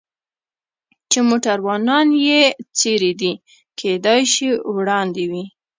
چې موټروانان یې چېرې دي؟ کېدای شي وړاندې وي.